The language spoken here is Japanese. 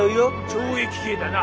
懲役刑だな。